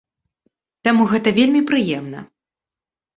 Таму гэта вельмі прыемна.